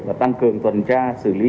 và tăng cường tuần tra xử lý